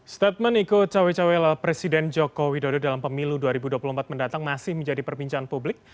statement ikut cawe cawe presiden joko widodo dalam pemilu dua ribu dua puluh empat mendatang masih menjadi perbincangan publik